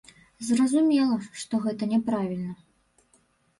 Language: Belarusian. Зразумела, што гэта няправільна.